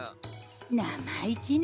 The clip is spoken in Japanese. なまいきね！